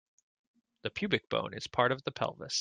The pubic bone is part of the pelvis.